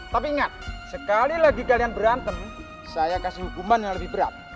tapi ingat sekali lagi kalian berantem saya kasih hukuman yang lebih berat